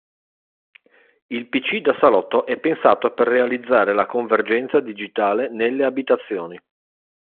Il pc da salotto è pensato per realizzare la convergenza digitale nelle abitazioni.